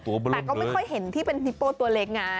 แต่ก็ไม่ค่อยเห็นที่เป็นฮิปโป้ตัวเล็กไง